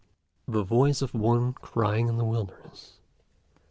The Voice of one crying in the Wilderness.